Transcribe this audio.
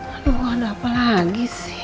aduh bukan apa lagi sih